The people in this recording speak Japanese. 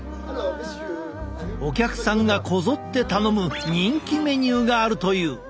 お客さんがこぞって頼む人気メニューがあるという。